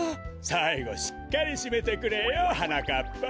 さいごしっかりしめてくれよはなかっぱ。